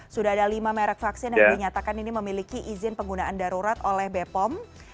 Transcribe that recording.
sudah ada lima merek vaksin yang dinyatakan ini memiliki izin penggunaan darurat oleh bepom